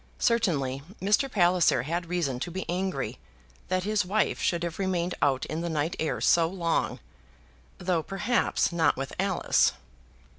Certainly Mr. Palliser had reason to be angry that his wife should have remained out in the night air so long, though perhaps not with Alice.